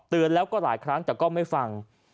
แล้วก็หลายครั้งแต่ก็ไม่ฟัง